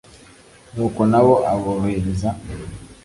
n’uko na bo aborohereza